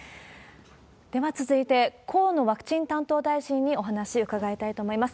では続いて、河野ワクチン担当大臣にお話伺いたいと思います。